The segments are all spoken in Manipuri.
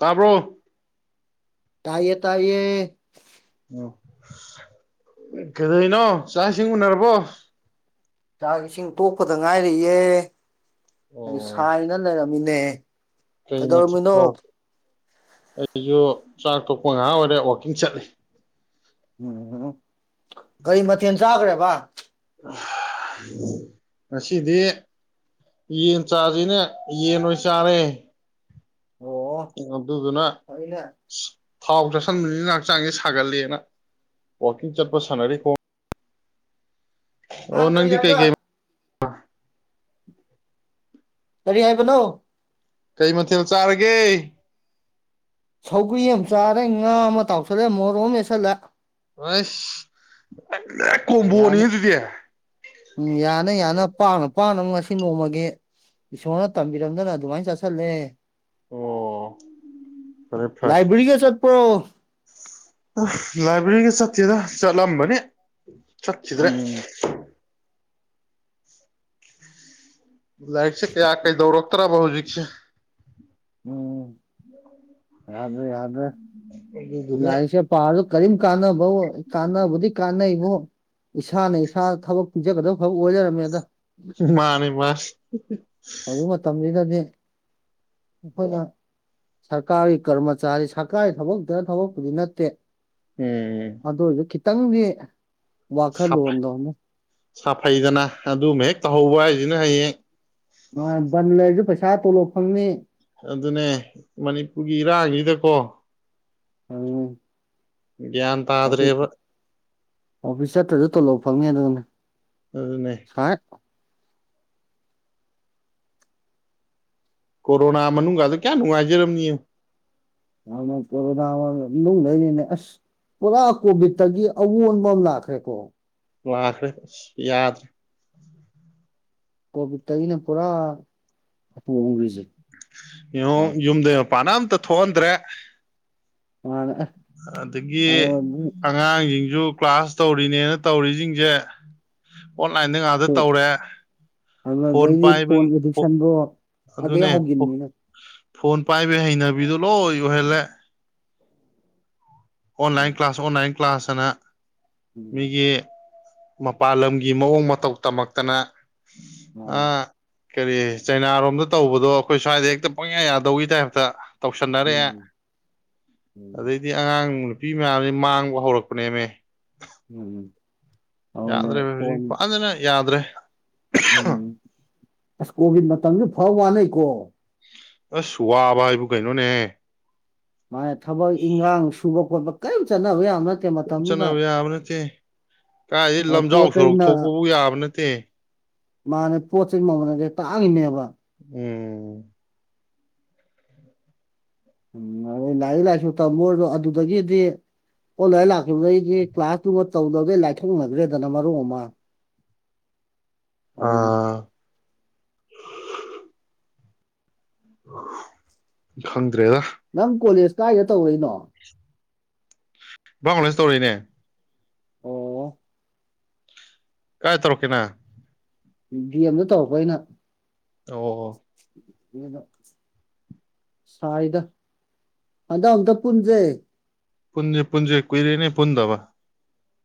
ꯇꯥꯕ꯭ꯔꯣ ꯇꯥꯏꯌꯦ ꯇꯥꯏꯌꯦ ꯎꯝ ꯀꯩꯗꫭꯏꯅꯣ ꯆꯥꯛ ꯏꯁꯤꯡ ꯎꯅꯔꯕꯣ ꯆꯥꯛ ꯏꯁꯤꯡ ꯇꯣꯛꯄꯗ ꯉꯥꯏꯔꯤꯌꯦ ꯁꯥꯏꯅ ꯂꯩꯔꯝ ꯃꯤꯅꯦ ꯀꯩꯃ ꯑꯩꯁꯨ ꯆꯥꯛ ꯊꯣꯛꯄ ꯉꯥꯏꯍꯥꯛ ꯑꯣꯏꯔꯦ ꯋꯥꯋꯥꯛꯀꯤꯡ ꯆꯠꯂꯤ ꯎꯝ ꯎ ꯀꯔꯤ ꯃꯊꯦꯜ ꯆꯥꯈ꯭ꯔꯦꯕ ꯉꯁꯤꯗꯤ ꯌꯦꯟ ꯆꯥꯁꯤꯅꯦ ꯌꯦꯟ ꯑꯣꯏꯅ ꯆꯥꯔꯦ ꯑꯣ ꯗꯨꯅ ꯑꯩꯅ ꯊꯥꯎ ꯆꯥꯁꯤꯟꯕꯅꯤꯅ ꯍꯛꯆꯥꯡꯁꯦ ꯁꯥꯒꯠꯂꯦꯅ ꯋꯀꯤꯡ ꯆꯠꯄ ꯁꯥꯟꯅꯔꯤ ꯈꯣꯡ ꯑꯥ ꯑꯣ ꯀꯔꯤ ꯅꯪꯗꯤ ꯀꯩ ꯍꯥꯏꯕ ꯀꯩ ꯀꯔꯤ ꯍꯥꯏꯕꯅꯣ ꯀꯩ ꯃꯊꯦꯜ ꯆꯥꯔꯒꯦ ꯁꯧꯒ꯭ꯔꯤ ꯑꯃ ꯆꯥꯔꯦ ꯉꯥ ꯑꯃ ꯇꯥꯎꯁꯜꯂꯦ ꯃꯣꯔꯣꯛ ꯑꯃ ꯃꯦꯠꯁꯜꯂꯦ ꯍꯥꯏꯁ ꯗꯥꯏꯔꯦꯛ ꯌꯥꯅꯤ ꯀꯣꯝꯕꯣꯅꯤꯅꯦ ꯑꯗꯨꯗꯤ ꯎꯝ ꯌꯥꯅ ꯌꯥꯅ ꯄꯥꯡꯅ ꯄꯥꯡꯅ ꯉꯁꯤ ꯅꯣꯡꯃꯒꯤ ꯏꯁꯣꯔꯅ ꯇꯝꯕꯤꯔꯝꯗꯅ ꯑꯗꯨꯃꯥꯏꯅ ꯆꯥꯁꯜꯂꯦ ꯐꯔꯦ ꯐꯔꯦ ꯂꯥꯏꯕ꯭ꯔꯤꯒ ꯆꯠꯄ꯭ꯔꯣ ꯕ꯭ꯔꯤꯒ ꯆꯠꯇꯦꯗ ꯆꯠꯂꯝꯕꯅꯤ ꯆꯠꯈꯤꯗ꯭ꯔꯦ ꯎꯝ ꯂꯥꯏꯔꯤꯛꯁꯦ ꯀꯌꯥ ꯀꯩꯗꯧꯔꯛꯇ꯭ꯔꯕ ꯍꯨꯖꯤꯛꯁꯦ ꯎꯝ ꯌꯥꯗ꯭ꯔꯦ ꯌꯥꯗ꯭ꯔꯦ ꯑꯗꯨꯗꯨꯅ ꯂꯥꯏꯔꯤꯛꯁꯦ ꯄꯥꯔꯖꯨ ꯀꯔꯤꯝ ꯀꯥꯟꯅꯕꯑꯣ ꯀꯥꯟꯅꯕꯨꯗꯤ ꯀꯥꯟꯅꯩꯕꯨ ꯏꯁꯥꯅ ꯏꯁꯥ ꯊꯕꯛ ꯄꯤꯖꯒꯗ ꯊꯕꯛ ꯑꯣꯏ ꯂꯩꯔꯝꯃꯦꯗ ꯃꯥꯅꯤ ꯃꯥꯅꯤ ꯍꯤ ꯍꯧꯖꯤꯛ ꯍꯤ ꯃꯇꯝꯁꯤꯗꯗꯤ ꯁꯁ ꯑꯩꯈꯣꯏꯅ ꯁꯔ ꯀꯥꯔꯒꯤ ꯀꯔꯃꯆꯥꯔꯤ ꯁꯔꯀꯥꯔꯒꯤ ꯊꯕꯛꯇꯅ ꯊꯕꯛꯄꯨꯗꯤ ꯅꯠꯇꯦ ꯎꯝ ꯇꯪꯗꯤ ꯋꯥꯈꯜ ꯂꯨꯟꯗꯣ ꯑꯃ ꯁꯥꯐꯩꯗꯅ ꯑꯗꯨꯃ ꯍꯦꯛ ꯇꯧꯍꯧꯕ ꯍꯥꯏꯖꯤꯅ ꯍꯌꯦꯡ ꯑ ꯕꯟ ꯂꯩꯔꯖꯨ ꯄꯩꯁꯥ ꯇꯣꯂꯣꯞ ꯐꯪꯅꯤ ꯑꯗꯨꯅꯦ ꯃꯅꯤꯄꯨꯔꯒꯤ ꯏꯔꯥꯡꯁꯤꯗꯀꯣ ꯎꯝ ꯒ꯭ꯌꯥꯟ ꯇꯥꯗ꯭ꯔꯦꯕ ꯑꯣꯐꯤꯁ ꯆꯠꯇ꯭ꯔꯁꯨ ꯇꯣꯂꯣꯞ ꯐꯪꯅꯤ ꯑꯗꯨꯒꯅ ꯑꯗꯨꯅꯦ ꯀꯣꯔꯣꯅꯥ ꯃꯅꯨꯒꯥꯗꯨ ꯀꯌꯥ ꯅꯨꯡꯉꯥꯏꯖꯔꯝꯅꯤ ꯌꯦꯡꯉꯨ ꯉꯍꯥꯟꯃꯨꯛ ꯀꯣꯔꯣꯅꯥ ꯃ ꯃꯅꯨꯡꯗꯩꯅꯤꯅꯦ ꯑꯁ ꯄꯨꯔꯥ ꯀꯣꯚꯤꯠꯇꯒꯤ ꯑꯋꯣꯟꯕ ꯑꯃ ꯂꯥꯛꯈ꯭ꯔꯦꯀꯣ ꯂꯥꯛꯈ꯭ꯔꯦ ꯑꯁ ꯌꯥꯗ꯭ꯔꯦ ꯀꯣꯚꯤꯠꯇꯒꯤꯅ ꯄꯨꯔꯥ ꯃꯄꯨ ꯑꯣꯟꯒ꯭ꯔꯤꯖꯦ ꯌꯦꯡꯉꯨ ꯌꯨꯝꯗꯩ ꯃꯄꯥꯟ ꯑꯝ ꯊꯣꯛꯍꯟꯗ꯭ꯔꯦ ꯃꯥꯅ ꯑꯁ ꯑꯗꯒꯤ ꯑꯉꯥꯡꯁꯤꯡ ꯁꯨ ꯀ꯭ꯂꯥꯁ ꯇꯧꯔꯤꯅꯦꯅ ꯇꯧꯔꯤꯁꯤꯡꯁꯦ ꯑꯣꯟꯂꯥꯏꯟꯗ ꯉꯥꯛꯇ ꯇꯧꯔꯦ ꯐꯣꯟ ꯑꯗꯨꯩꯗꯤ ꯐꯣꯟ ꯄꯥꯏꯕꯒꯤ ꯑꯦꯗꯤꯛꯁꯟꯗꯣ ꯑꯗ ꯑꯗꯨꯅꯦ ꯌꯥꯝ ꯍꯧꯒꯅꯤꯅꯦ ꯐꯣꯟ ꯄꯥꯏꯕ ꯍꯩꯅꯕꯤꯗꯨꯣ ꯂꯣꯏ ꯌ ꯑꯣꯏꯍꯜꯂꯦ ꯑꯣꯟꯂꯥꯏꯟ ꯀ꯭ꯂꯥꯁ ꯑꯣꯟꯂꯥꯏꯟ ꯀ꯭ꯂꯥꯁꯅ ꯃꯤꯒꯤ ꯃꯄꯥꯜ ꯂꯝꯒꯤ ꯃꯑꯣꯡ ꯃꯇꯧ ꯇꯝꯃꯛꯇꯅ ꯑ ꯎꯝ ꯀꯔꯤ ꯆꯩꯅꯥꯔꯣꯝꯗ ꯇꯧꯕꯗꯣ ꯑꯩꯈꯣꯏ ꯁ꯭ꯋꯥꯏꯗ ꯍꯦꯛꯇ ꯄꯪꯌꯥ ꯌꯥꯗꯧꯒꯤ ꯇꯥꯏꯞꯇ ꯇꯧꯁꯟꯅꯔꯦ ꯑꯗꯩꯗꯤ ꯑꯉꯥꯡ ꯅꯨꯄꯤ ꯃꯌꯥꯝꯁꯦ ꯃꯥꯡꯕ ꯍꯧꯔꯛꯄꯅꯦꯃꯦ ꯎꯝꯝ ꯌꯥꯗ꯭ꯔꯦ ꯍꯧꯖꯤꯗꯅ ꯌꯥꯗ꯭ꯔꯦ ꯎꯝ ꯑꯁ ꯀꯣꯚꯤꯠ ꯃꯇꯝꯁꯨ ꯐꯕ ꯋꯥꯅꯩꯀꯣ ꯑꯁ ꯋꯥꯕ ꯍꯥꯏꯕꯨ ꯀꯩꯅꯣꯅꯦ ꯃꯥ ꯊꯕꯛ ꯏꯪꯈꯥꯡ ꯁꯨꯕ ꯈꯣꯠꯄ ꯀꯔꯤꯝ ꯆꯠꯅꯕ ꯌꯥ ꯌꯥꯝꯕꯅ ꯆꯠꯅꯕ ꯌꯥꯕ ꯅꯠꯇꯦ ꯀꯥꯏꯗꯤ ꯂꯝꯖꯥꯎ ꯄꯣꯠ ꯁꯣꯔꯣꯛ ꯆꯩꯩꯅ ꯊꯣꯛꯄꯕꯨ ꯌꯥꯕ ꯅꯠꯇꯦ ꯃꯥꯅꯦ ꯄꯣꯠꯁꯦ ꯃꯃꯟꯅꯁꯦ ꯇꯥꯡꯉꯤꯅꯦꯕ ꯎꯝ ꯎꯝ ꯑꯗꯨ ꯂꯥꯏꯔꯤꯛ ꯂꯥꯏꯁꯨ ꯇꯝꯃ ꯑꯣꯏꯔꯗꯣ ꯑꯗꯨꯗꯒꯤꯗꯤ ꯑꯣꯟꯂꯥꯏꯟ ꯂꯥꯛꯈꯤꯕꯕꯩꯗꯤ ꯀ꯭ꯂꯥꯁꯇꯨꯃ ꯇꯧꯗꯅꯕꯩ ꯂꯥꯏꯊꯣꯛꯅꯈ꯭ꯔꯦꯗꯅ ꯃꯔꯨꯞ ꯑꯃ ꯑ ꯈꯪꯗ꯭ꯔꯦꯗ ꯅꯪ ꯀꯣꯂꯦꯖ ꯀꯥꯏꯗ ꯇꯧꯔꯏꯅꯣ ꯕꯪꯒꯥꯗꯦꯁ ꯇꯧꯔꯤꯅꯦ ꯑꯣ ꯀꯥꯏ ꯇꯔꯣ ꯀꯅꯥ ꯚ ꯑꯦꯝꯗ ꯇꯧꯔꯛꯄ ꯑꯩꯅ ꯑꯣ ꯁꯥꯏꯗ ꯑꯗ ꯑꯝꯛꯇ ꯄꯨꯟꯁꯦ ꯄꯨꯟꯖꯦ ꯄꯨꯟꯖꯦ ꯀꯨꯏꯔꯅꯦ ꯄꯨꯟꯗꯕ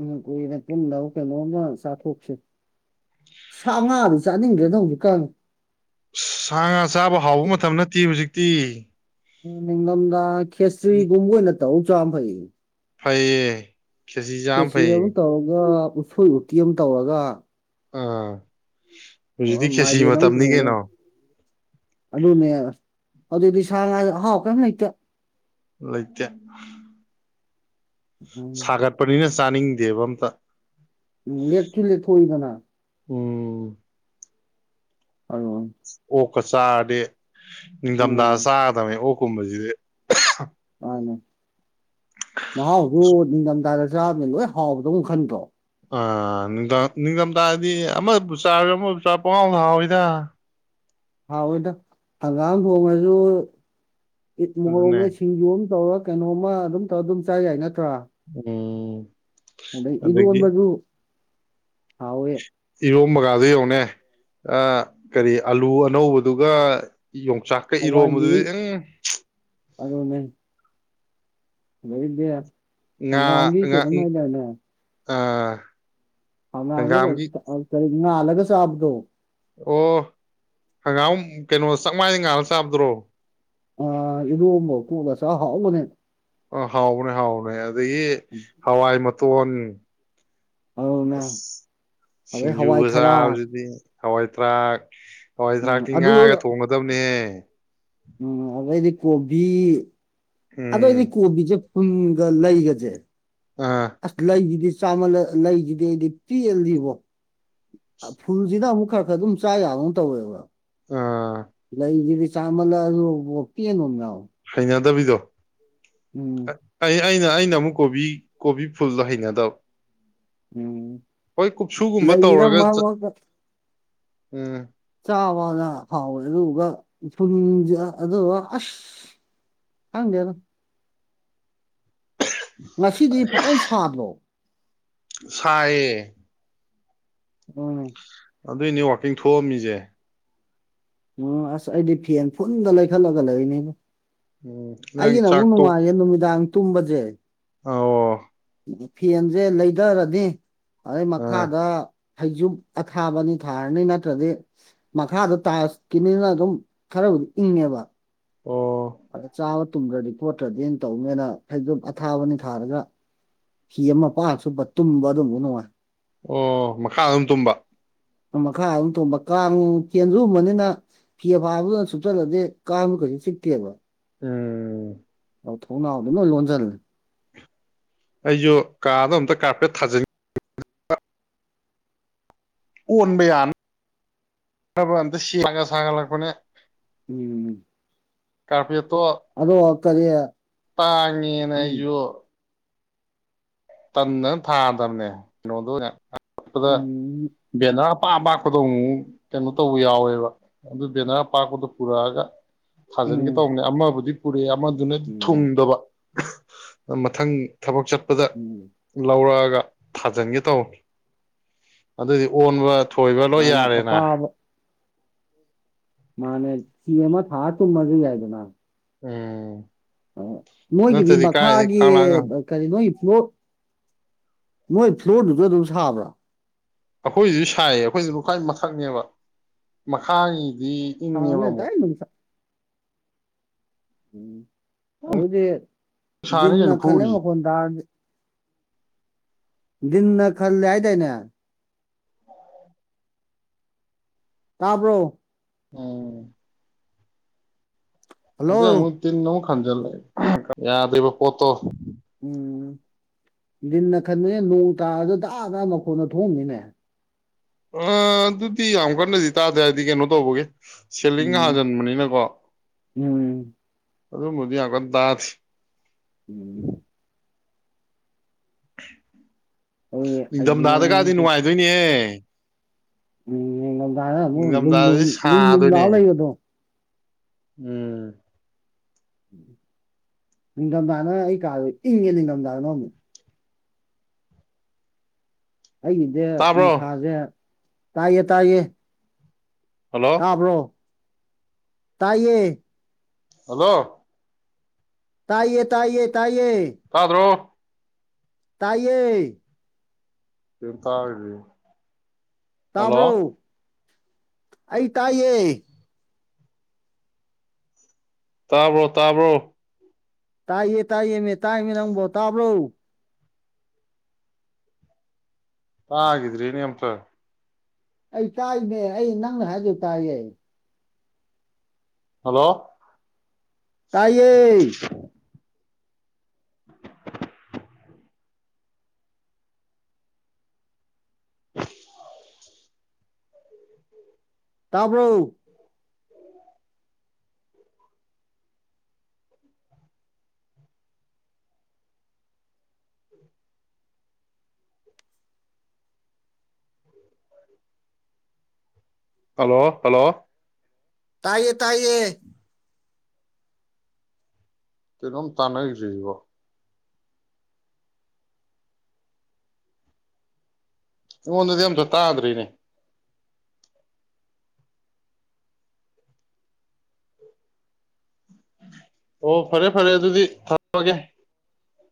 ꯎꯝ ꯀꯨꯏꯔꯦ ꯄꯨꯡꯗ ꯀꯩꯅꯣꯝꯃ ꯆꯥꯊꯣꯛꯁ ꯁꯥ ꯉꯥꯗꯨ ꯆꯥꯅꯤꯡꯗ꯭ꯔꯦꯅ ꯍꯧꯖꯤꯛꯀꯥꯟ ꯁꯥ ꯉꯥ ꯆꯥꯕ ꯍꯥꯎꯕ ꯃꯇꯝ ꯅꯠꯇꯦ ꯍꯧꯖꯤꯛꯇꯤ ꯎ ꯅꯝꯗ ꯈꯦꯁ꯭ꯔꯤꯒꯃꯒ ꯅ ꯇꯧ ꯆ ꯐꯩ ꯐꯌꯦ ꯀꯦꯁꯤꯒꯕꯨ ꯇꯒ ꯎꯠꯁꯣꯏ ꯎꯇꯤ ꯑꯃ ꯇꯧꯔꯒ ꯑꯥ ꯍꯧꯖꯤꯛꯇꯤ ꯑ ꯈꯦꯆꯤ ꯃꯥꯏꯔꯦꯟ ꯑꯃꯥ ꯃꯇꯝꯅꯤ ꯊꯣꯡꯉꯥ ꯀꯩꯅꯣ ꯑꯗꯨꯅꯦ ꯑꯗꯨꯗꯤ ꯁꯉ ꯍꯥꯎ ꯀꯩ ꯏꯇ ꯂꯩꯇꯦ ꯎꯝ ꯁꯥꯒꯔ ꯄꯅꯤꯅ ꯆꯥꯅꯤꯡꯗꯦꯕ ꯑꯝꯇ ꯑꯦꯆꯂꯤ ꯊꯣꯏꯗꯅ ꯎꯝ ꯑ ꯑꯩ ꯆꯥꯔꯗꯤ ꯅꯤꯡ ꯗꯃꯗꯥꯁꯥ ꯇꯃꯦ ꯑꯣꯛ ꯀꯨꯝꯕꯁꯤꯗꯤ ꯃꯅꯦ ꯃꯍꯦꯖꯨ ꯑꯦꯡꯗꯝꯗ ꯆꯥ ꯂꯣꯏ ꯍꯥꯎꯕꯗꯧ ꯈꯟꯗ꯭ꯔꯣ ꯑꯥ ꯅꯤꯡ ꯅꯤꯡꯊꯝꯊꯥꯗꯤ ꯑꯃꯕꯨ ꯆꯥꯔ ꯑꯃꯕꯨ ꯆꯥ ꯄꯉꯥꯎ ꯂ ꯍꯥꯎꯋꯤꯗ ꯍꯥꯎꯑꯣꯏꯗ ꯍꯪꯒꯥꯝ ꯊꯣꯡꯉꯁꯨ ꯑꯗꯨꯅꯦ ꯃꯣꯔꯝꯃꯦ ꯁꯤꯁꯤꯡꯖꯨꯝ ꯇꯧꯔ ꯀꯩꯅꯣꯃ ꯑꯗꯨꯝꯧ ꯑꯗꯨꯝ ꯆꯥ ꯌꯥꯏ [unintelligible] ꯎ ꯑꯗ ꯏꯒ ꯑꯣꯟ ꯃꯒ ꯍꯥꯎꯋꯦ ꯏꯔꯣ ꯃꯒꯥꯗꯨ ꯌꯧꯅꯦ ꯀꯔꯤ ꯑꯂꯨ ꯑꯅꯧꯕꯗꯨꯒ ꯌꯣꯡꯆꯥꯛꯀ ꯏꯔꯣꯝꯕꯗꯨꯗꯤ ꯑꯪ ꯑꯗꯅ ꯅꯕꯤꯗꯌꯥ [inaudible] ꯑꯥꯡꯒ ꯀꯦ ꯑꯗꯨꯃꯥꯏꯂꯅ ꯑꯥ ꯑꯅꯉꯨ ꯇꯔ [inaudible] ꯏ ꯑꯥꯜꯂꯒ ꯆꯥꯕꯗꯣ ꯑꯣ ꯍꯪꯒꯥꯝ ꯀꯩꯅꯣ ꯆꯞꯃꯥꯏꯅ ꯉꯥꯜꯂ ꯆꯥꯕꯗ꯭ꯔꯣ ꯑ ꯑꯦꯔꯣꯝꯕꯒꯥ ꯀꯣꯠꯂꯒ ꯆꯥꯕꯥ ꯍꯧꯕꯅꯦ ꯑ ꯍꯥꯎꯅꯦ ꯍꯥꯎꯅꯦ ꯗꯒꯤ ꯍꯋꯥ ꯃ ꯇꯣꯟ ꯑꯗꯨꯅꯦ ꯑꯁ ꯑꯗꯩ ꯍꯋꯥꯏ ꯁꯤꯡꯖꯨꯒꯖꯥ ꯊꯔꯥꯛ ꯍꯧꯖꯤꯗꯤ ꯍꯋꯥꯏ ꯇꯔꯥꯛ ꯍꯋꯥꯏ ꯎꯝ ꯊꯔꯥꯛꯇꯤ ꯑꯗꯨ ꯉꯥꯒ ꯊꯣꯡꯒꯗꯕꯅꯦ ꯎꯝ ꯑ ꯑꯩꯗꯤ ꯀꯣꯕꯤ ꯑꯗꯣ ꯎꯝ ꯑꯩꯗꯤ ꯀꯨꯕꯤ ꯆ ꯄꯨꯟꯒ ꯂꯩꯒꯁꯦ ꯑꯥ ꯑꯁꯂꯗꯤ ꯆꯥꯃ ꯂꯩꯁꯤꯗꯤ ꯑꯩꯗꯤ ꯄꯤꯍꯜꯂꯤꯁꯤꯕꯣ ꯐꯨꯜꯁꯤꯅ ꯑꯃꯨꯛ ꯈꯔ ꯈꯔ ꯑꯗꯨꯝ ꯆꯥ ꯌꯥꯕ ꯇꯧꯋꯦꯕ ꯑ ꯏ ꯂꯩꯒꯤꯗꯤ ꯆꯃꯜ ꯑꯗꯨ ꯑꯣꯄꯤꯤ ꯅꯣ ꯌꯥꯗꯕꯤꯗꯣ ꯎꯝ ꯑꯩ ꯑꯩꯅ ꯑꯩꯅ ꯑꯃꯨꯛ ꯀꯣꯕꯤ ꯀꯣꯕꯤ ꯐꯨꯜꯗꯣ ꯍꯩꯅꯗꯕ ꯎꯝ ꯍꯣꯏ ꯀꯨꯞꯁꯨꯒꯨꯝꯕ ꯂꯩꯔ ꯇꯧꯔꯒ ꯃꯥꯃꯒ ꯎꯝ ꯆꯥꯕꯗ ꯍꯥꯎꯋꯦ ꯑꯗꯨꯗꯨ ꯎ ꯐꯨꯟꯁ ꯑꯗꯨꯒ ꯑꯁ ꯈꯪꯗꯦꯅ ꯉꯁꯤꯗꯤ ꯐꯖꯅ ꯁꯥꯗ꯭ꯔꯣ ꯁꯌꯦ ꯎꯅꯦ ꯑꯗꯨꯏꯅꯦ ꯋꯥꯛꯀꯤꯡ ꯊꯣꯛꯑꯝꯃꯤꯁꯦ ꯎ ꯑꯁ ꯑꯩꯗꯤ ꯐꯦꯟ ꯐꯨꯟꯗ ꯂꯩꯈꯠꯂꯒ ꯂꯩꯔꯤꯅꯦꯕ ꯎꯝ ꯑꯩꯒꯤ ꯅꯪ ꯅꯕꯨꯛ ꯆꯥꯛ ꯅꯨꯡꯉꯥꯏꯒꯦ ꯅꯨꯃꯤꯗꯥꯡ ꯇꯨꯝꯝꯕꯖꯦ ꯑ ꯎ ꯐꯦꯟꯁꯦ ꯂꯩꯊꯔꯗꯤ ꯑꯗꯩ ꯑꯥ ꯃꯈꯥꯗ ꯐꯩꯖꯨꯞ ꯑꯊꯥꯕ ꯑꯅꯤ ꯊꯥꯔꯅꯤ ꯅꯠꯇ꯭ꯔꯗꯤ ꯃꯈꯥꯗꯣ ꯇꯥꯏꯂꯁ ꯀꯤꯅꯤꯅ ꯑꯗꯨꯝ ꯈꯔꯕꯨꯗꯤ ꯏꯪꯉꯦꯕ ꯑꯣ ꯑ ꯆꯥ ꯇꯨꯝꯗ꯭ꯔꯗꯤ ꯈꯣꯠꯇ꯭ꯔꯗꯤꯅ ꯇꯧꯅꯦꯅ ꯐꯖꯝ ꯑꯊꯥꯕꯅꯤ ꯊꯥꯔꯒ ꯐꯤ ꯑꯃ ꯄꯥꯛꯑ ꯆꯨꯞꯄ ꯇꯨꯝꯕ ꯑꯗꯨꯝ ꯅꯨꯡꯉꯥꯏ ꯑꯣ ꯃꯈꯥ ꯑꯗꯨꯝ ꯇꯨꯝꯕ ꯃꯈꯥ ꯑꯗꯨꯝ ꯇꯣꯡꯕ ꯀꯥꯡ ꯆꯦꯟꯖꯨꯝꯕꯅꯤꯅ ꯐꯤ ꯐꯥꯕꯗꯨꯅ ꯁꯨꯞꯆꯜꯂꯗꯤ ꯀꯥꯡ ꯀꯩꯁꯨ ꯆꯤꯛꯇ꯭ꯔꯦꯕ ꯎꯝ ꯑꯧ ꯊꯧꯅꯥꯎꯗ ꯅꯣꯏ ꯂꯣꯟꯁꯤꯜꯂꯦ ꯑꯩꯁꯨ ꯀꯥꯗꯣ ꯑꯝꯇ ꯀꯥꯔꯄꯦꯠ ꯊꯥꯖꯤꯟ ꯀꯣꯟꯕ ꯌꯥꯅ ꯅꯕ ꯑꯝꯇ ꯁꯦꯝ ꯁꯥꯒ ꯁꯥꯒꯠꯂꯛꯄꯅꯦ ꯎꯝ ꯀꯔꯄꯦꯠ ꯇꯣ ꯑꯗꯣ ꯀꯔꯤ ꯇꯥꯡꯉꯦꯅ ꯎꯝ ꯑꯩꯁꯨ ꯇꯟꯅ ꯊꯥꯗꯕꯅꯦ ꯀꯩꯅꯣꯗꯣ ꯄꯗ ꯎꯝ ꯕꯦꯅꯥ ꯑꯄꯥ ꯑꯄꯥꯛꯄꯗꯣ ꯑꯃꯨꯛ ꯀꯩꯅꯣ ꯇꯧꯕ ꯌꯥꯎꯋꯦꯕ ꯑꯗꯨ ꯕꯦꯅꯔ ꯑꯄꯥꯛꯄꯗꯣ ꯄꯨꯔꯛꯑꯒ ꯊꯥꯖꯤꯟꯒꯦ ꯎꯝ ꯇꯧꯅꯦ ꯑꯃꯕꯨꯗꯤ ꯄꯨꯔꯦ ꯑꯃꯗꯨꯅ ꯎꯝ ꯊꯨꯡꯗꯕ ꯃꯊꯪ ꯊꯕꯛ ꯆꯠ ꯑꯗꯨꯗ [unintelligible] ꯎꯝ ꯂꯧꯔꯒ ꯊꯥꯖꯤꯟꯒꯦ ꯇꯧ ꯑꯗꯨ ꯗꯤ ꯑꯣꯟꯕ ꯊꯣꯏꯕ ꯂꯣꯏ ꯃꯥꯅꯦ ꯌꯥꯔꯦꯅ ꯃꯅꯦ ꯁꯤꯃ ꯊꯥ ꯇꯨꯝ ꯃꯩ ꯌꯥꯏꯗꯅ ꯎꯝ ꯑ ꯅꯣꯏꯒꯤꯗꯤ ꯅꯠꯇ꯭ꯔꯗꯤ ꯀꯥꯏꯗꯩ ꯃꯈꯥꯒꯤ ꯀꯪꯂꯥꯒ ꯀꯔꯤ ꯅꯣꯏ ꯐ꯭ꯂꯣꯔ ꯅꯣꯏ ꯐ꯭ꯂꯣꯔꯗꯨꯁꯨ ꯑꯗꯨꯝ ꯁꯥꯕ꯭ꯔꯥ ꯑꯩꯈꯣꯏꯁꯨ ꯁꯥꯏꯌꯦ ꯑꯩꯈꯣꯏꯁꯨ ꯈꯨꯋꯥꯏ ꯃꯊꯛꯅꯦꯕ ꯃꯈꯥꯒꯤ ꯗꯤ ꯏꯪꯉꯦꯕ ꯁꯥꯕꯅꯤꯅ ꯑꯃꯨꯛ ꯗꯥꯏꯔꯦꯛ ꯅꯨꯡꯁꯥ ꯎꯝ ꯍꯧꯗꯤ ꯁꯥꯅꯤ ꯗꯤꯅ ꯀꯩꯅꯣ ꯈꯜꯂꯦ ꯐꯨꯔꯤꯁꯦ ꯃꯈꯣꯟ ꯇꯔꯗꯤ ꯗꯤꯟ ꯅ ꯈꯜꯂ ꯍꯥꯏꯗꯏꯅꯦ ꯇꯥꯕ꯭ꯔꯣ ꯎꯝ ꯍꯜꯂꯣ [unintelligible] ꯇꯤꯜ ꯈꯟꯖꯤꯜꯂꯦ ꯌꯥꯗꯦꯕ ꯄꯣꯠꯇꯣ ꯎꯝ ꯗꯤꯟꯅ ꯈꯟꯕꯅꯦ ꯅꯣꯡ ꯇꯥꯔꯖꯨ ꯗꯥꯥꯛ ꯗ ꯃꯈꯣꯟꯗꯣ ꯊꯣꯡꯅꯤꯅꯦ ꯑ ꯑꯗꯨꯗꯤ ꯌꯥꯝ ꯀꯟꯅꯗꯤ ꯇꯥꯗꯦ ꯍꯥꯏꯗꯤ ꯀꯩꯅꯣ ꯇꯧꯕꯒꯤ ꯁꯦꯂꯤꯡ ꯎꯝ ꯍꯥꯖꯤꯟꯕꯅꯤꯅꯀꯣ ꯎꯝ ꯑꯗꯨ ꯃꯗꯤꯒ ꯇꯗꯥꯁꯤ ꯎꯝ ꯑꯗꯨꯒꯤ ꯅꯤꯡꯊꯝꯊꯥꯗ ꯍꯌꯦꯡ ꯀꯗꯤ ꯅꯨꯡꯉꯥꯏꯗꯣꯏꯅꯦ ꯎꯝ ꯌꯦꯉ [unintelligible] ꯑꯃ ꯂ ꯂ ꯅꯤꯡꯊꯝꯊꯥꯗꯗꯤ ꯂꯅꯨꯡ ꯂꯨꯝ ꯂꯍ ꯁꯥꯗꯣꯏꯅꯦ ꯂꯩꯕꯗꯣ ꯎꯝ ꯅꯤꯡꯊꯝꯊꯥꯅ ꯑꯩ ꯀꯥꯗꯣꯏ ꯏꯪꯉꯦ ꯅꯤꯡꯊꯝꯊꯥꯗ ꯂꯧ ꯑꯃꯅꯤ ꯑꯩꯒꯤꯁꯦ ꯇꯥꯕ꯭ꯔꯣ ꯅꯨꯡꯁꯥꯁꯦ ꯇꯌꯦ ꯇꯌꯦ ꯍꯜꯂꯣ ꯇꯥꯕ꯭ꯔꯣ ꯇꯥꯏꯌꯦ ꯍꯜꯂꯣ ꯇꯥꯏꯌꯦ ꯇꯥꯏꯌꯦ ꯇꯥꯏꯌꯦ ꯇꯥꯗ꯭ꯔꯣ ꯇꯥꯏꯌꯦ ꯀꯩꯝ ꯇꯥꯒꯤꯗ꯭ꯔꯦ ꯍꯜꯂꯣ ꯇꯥꯕ꯭ꯔꯣ ꯑꯩ ꯇꯥꯏꯌꯦ ꯇꯥꯕ꯭ꯔꯣ ꯇꯥꯕ꯭ꯔꯣ ꯇꯥꯏꯌꯦ ꯇꯥꯏꯌꯦ ꯃꯦ ꯇꯥꯏ ꯃꯤ ꯅꯪꯕꯣ ꯇꯥꯕ꯭ꯔꯣ ꯇꯥꯒꯤꯗ꯭ꯔꯦꯅꯦ ꯑꯝꯇ ꯑꯩ ꯇꯥꯏꯅꯦ ꯑꯩ ꯅꯪꯅ ꯍꯥꯏꯗꫭ ꯇꯥꯏꯌꯦ ꯍꯜꯂꯣ ꯇꯥꯏꯌꯦ [inaudible] ꯇꯥꯕ꯭ꯔꯣ ꯍꯜꯂꯣ ꯍꯜꯂꯣ ꯇꯥꯏꯌꯦ ꯇꯥꯌꯦ ꯀꯩꯅꫭ ꯑꯝ ꯇꯥꯥꯅꯘꯤꯗ‌꯭ꯔꯤꯖꯤꯕꫭ ꯑꯩꯉꯣꯟꯗꯗꯤ ꯑꯝꯇ ꯇꯥꯗ꯭ꯔꯤꯅꯦ ꯑꯣ ꯐꯔꯦ ꯐꯔꯦ ꯑꯗꯨꯗꯤ ꯊꯝꯃꯒꯦ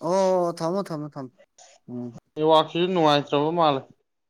ꯑꯣ ꯊꯝꯃꯣ ꯊꯝꯃꯣ ꯊꯝ ꯎꯝ ꯅꯨꯡꯉꯥꯏꯇ꯭ꯔꯕꯣ ꯃꯥꯂꯦ